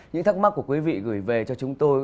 những thắc mắc của quý vị gửi về cho chúng tôi